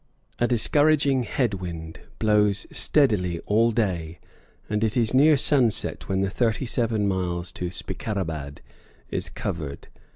A discouraging head wind blows steadily all day, and it is near sunset when the thirty seven miles to Sbikarabad is covered.